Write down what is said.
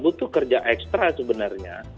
itu kerja ekstra sebenarnya